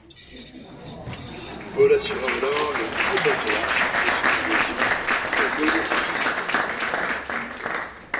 Paul assura alors le nouveau patriarche de son adhésion au monophysisme.